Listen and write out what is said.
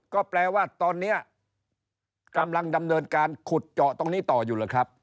ก็แปลว่าตอนนี้กำลังดำเนินการขุดเจาะตรงนี้ต่ออยู่เลยครับ